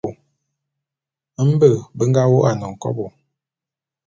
Mbe be nga wô'an nkobô.